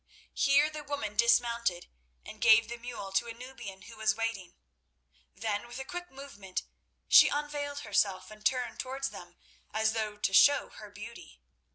Here the woman dismounted and gave the mule to a Nubian who was waiting. Then, with a quick movement she unveiled herself, and turned towards them as though to show her beauty.